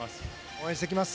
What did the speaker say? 応援していきます。